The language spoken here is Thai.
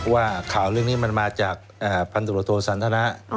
ว่าข่าวเรื่องนี้มันมาจากพันตรวจโทสันทนะ